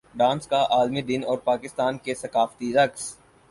dance کا عالمی دن اور پاکستان کے ثقافتی رقص